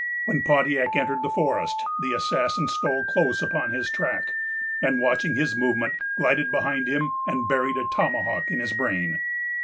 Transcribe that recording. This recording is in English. When Pontiac entered the forest, the assassin stole close upon his track; and, watching his moment, glided behind him, and buried a tomahawk in his brain.